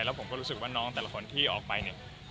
แล้วผมก็รู้สึกว่าน้องแต่ละคนที่ออกไปเนี่ย